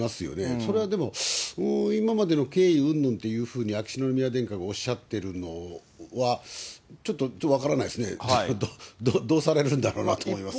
それはでも、今までの経緯うんぬんというふうに秋篠宮殿下がおっしゃってるのは、ちょっと分からないですね、どうされるんだろうなと思います。